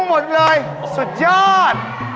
หมดเลยสุดยอด